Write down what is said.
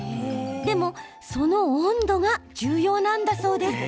でも、その温度が重要なんだそうです。